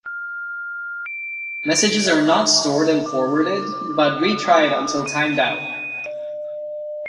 Messages are not stored and forwarded, but retried until timed out.